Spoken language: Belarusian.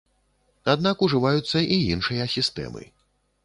Аднак ужываюцца і іншыя сістэмы.